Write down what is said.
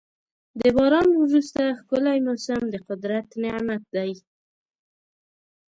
د باران وروسته ښکلی موسم د قدرت نعمت دی.